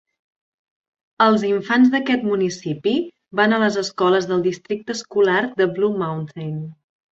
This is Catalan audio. Els infants d'aquest municipi van a les escoles del districte escolar de Blue Mountain.